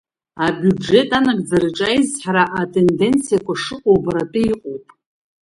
Абиуџьет анагӡараҿы аизҳара атенденциақәа шыҟоу убаратәы иҟоуп.